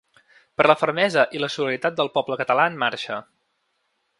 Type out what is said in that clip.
Per la fermesa i la solidaritat del poble català en marxa.